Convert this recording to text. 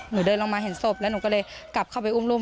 เดินลงมาเห็นศพแล้วหนูก็เลยกลับเข้าไปอุ้มรุ่ม